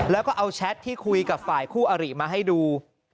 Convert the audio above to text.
แล้วก็เอาแชทที่คุยกับฝ่ายคู่อริมาให้ดู